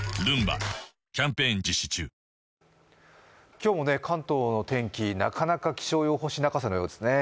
今日も関東の天気、なかなか気象予報泣かせのようですね。